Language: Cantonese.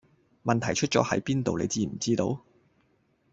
問題出左係邊度你知唔知道?